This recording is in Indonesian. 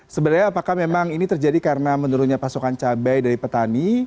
sebenarnya apakah memang ini terjadi karena menurunnya pasokan cabai dari petani